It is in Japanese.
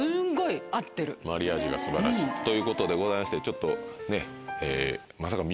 マリアージュが素晴らしい。ということでございましてちょっとね。